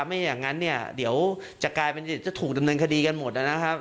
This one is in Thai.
ไม่อย่างนั้นเดี๋ยวจะถูกดำเนินคดีกันหมด